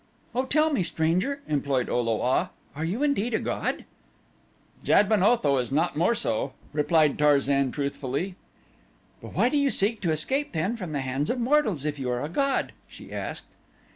"Oh, tell me, stranger," implored O lo a, "are you indeed a god?" "Jad ben Otho is not more so," replied Tarzan truthfully. "But why do you seek to escape then from the hands of mortals if you are a god?" she asked.